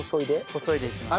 こそいでいきます。